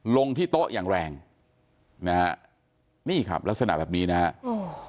ลงที่โต๊ะอย่างแรงนี่ครับลักษณะแบบนี้นะครับ